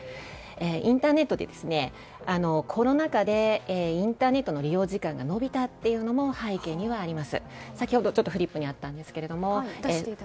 インターネットでコロナ禍でインターネットの利用時間が伸びたというのも背景にはあります。